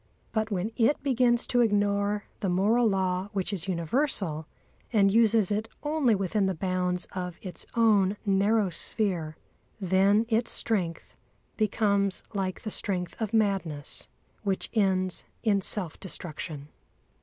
But when it begins to ignore the moral law which is universal and uses it only within the bounds of its own narrow sphere, then its strength becomes like the strength of madness which ends in self destruction.